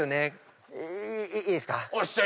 いいですか。